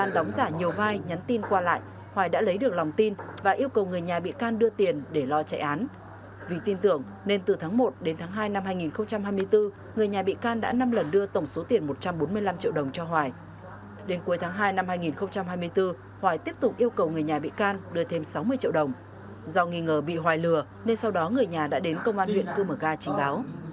do nghi ngờ bị hoài lừa nên sau đó người nhà đã đến công an huyện cư mở ga trình báo